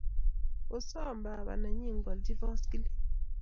Kosom papa nenyi kwalji poskilit.